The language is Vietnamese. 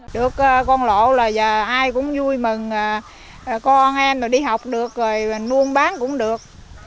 được con lộ là giờ ai cũng vui mừng con em đi học được rồi mua uống bán cũng được